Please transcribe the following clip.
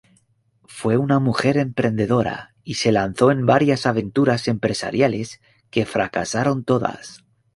Fue una mujer emprendedora y se lanzó en varias aventuras empresariales que fracasaron todas.